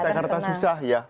di jakarta susah ya